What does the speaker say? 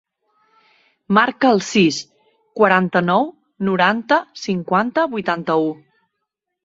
Marca el sis, quaranta-nou, noranta, cinquanta, vuitanta-u.